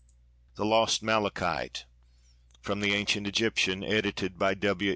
THE LOST MALACHITE FROM THE ANCIENT EGYPTIAN, EDITED BY W.